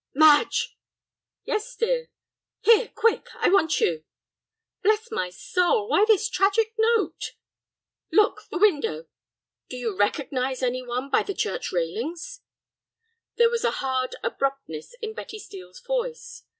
"Madge!" "Yes, dear." "Here, quick, I want you!" "Bless my soul, why this tragic note?" "Look, the window; do you recognize any one by the church railings?" There was a hard abruptness in Betty Steel's voice.